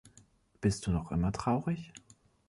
Bist du noch immer traurig?